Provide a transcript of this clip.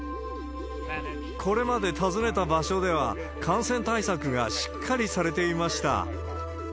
これまで訪ねた場所では、感染対策がしっかりされていました。